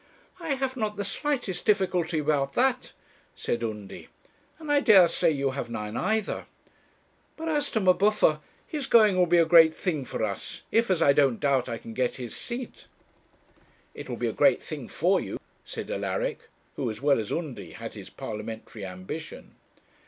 'I have not the slightest difficulty about that,' said Undy; 'and I dare say you have none either. But as to M'Buffer, his going will be a great thing for us, if, as I don't doubt, I can get his seat.' 'It will be a great thing for you,' said Alaric, who, as well as Undy, had his Parliamentary ambition.